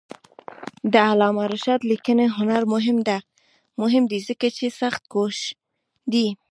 د علامه رشاد لیکنی هنر مهم دی ځکه چې سختکوش دی.